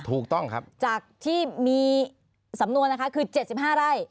ถูกต้องครับจากที่มีสำนวนนะคะคือเจ็ดสิบห้าไล่